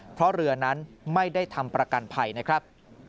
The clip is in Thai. เพราะเรือนั้นไม่ได้ทำประกันภัยนะครับ